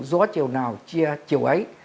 gió chiều nào chia chiều ấy